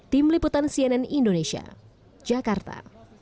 tim liputan cnn indonesia jakarta